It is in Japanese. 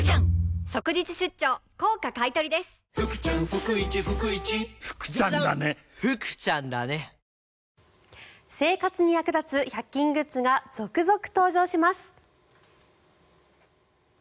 三井不動産グループ生活に役立つ１００均グッズが続々登場します。